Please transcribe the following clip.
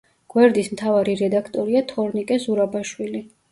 გვერდის მთავარი რედაქტორია თორნიკე ზურაბაშვილი.